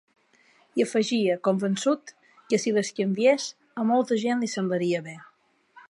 I afegia, convençut, que si les canviés ‘a molta gent li semblaria bé’.